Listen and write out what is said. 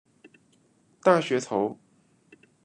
大学头。